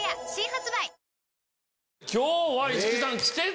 今日は市來さん。